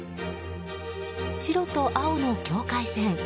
白と青の境界線。